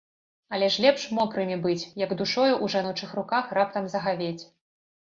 Але ж лепш мокрымі быць, як душою ў жаночых руках раптам загавець.